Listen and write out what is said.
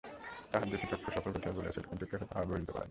তাহার দুটি চক্ষু সকল কথাই বলিয়াছিল, কিন্তু কেহ তাহা বুঝিতে পারে নাই।